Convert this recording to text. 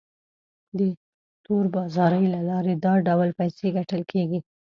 د تور بازارۍ له لارې دا ډول پیسې ګټل کیږي.